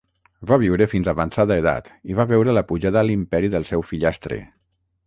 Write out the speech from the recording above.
Va viure fins avançada edat i va veure la pujada a l'imperi del seu fillastre.